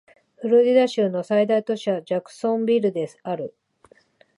フロリダ州の最大都市はジャクソンビルである